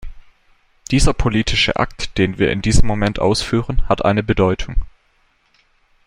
Dieser politische Akt, den wir in diesem Moment ausführen, hat eine Bedeutung.